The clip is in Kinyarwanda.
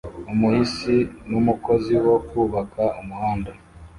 Umuhisi n'umukozi wo kubaka umuhanda